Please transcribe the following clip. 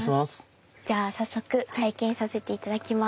じゃあ早速拝見させて頂きます。